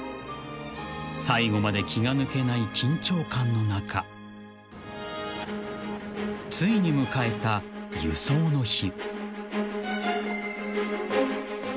［最後まで気が抜けない緊張感の中ついに迎えた輸送の日］